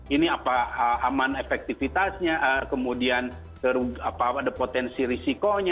ini apa aman efektivitasnya kemudian ada potensi risikonya